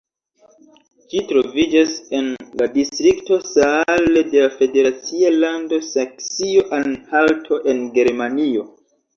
Ĝi troviĝas en la distrikto Saale de la federacia lando Saksio-Anhalto en Germanio.